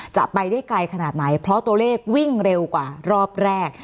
จะไปได้ไกลขนาดไหนเพราะตัวเลขวิ่งเร็วกว่ารอบแรก